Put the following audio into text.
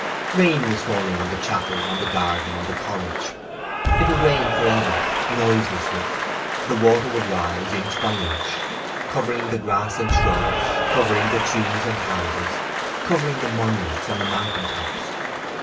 Rain was falling on the chapel, on the garden, on the college. It would rain for ever, noiselessly. The water would rise inch by inch, covering the grass and shrubs, covering the trees and houses, covering the monuments and the mountain tops.